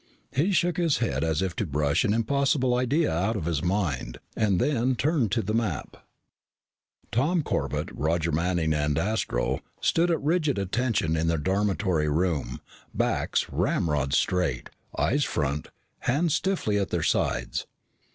He shook his head as if to brush an impossible idea out of his mind and then turned to the map. Tom Corbett, Roger Manning, and Astro stood at rigid attention in their dormitory room, backs ramrod straight, eyes front, hands stiffly at their sides.